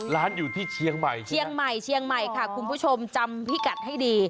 ร้านอยู่ที่เชียงใหม่ใช่ไหมเชียงใหม่ค่ะคุณผู้ชมจำพิกัดให้ดี